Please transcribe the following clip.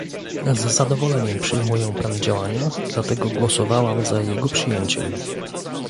Z zadowoleniem przyjmuję plan działania, dlatego głosowałam za jego przyjęciem